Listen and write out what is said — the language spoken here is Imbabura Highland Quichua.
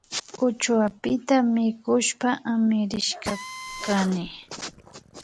Uchuapita mikushpa amirishkami kani